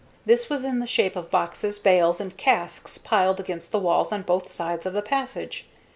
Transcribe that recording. This was in the shape of boxes, bales, and casks piled against the walls on both sides of the passage.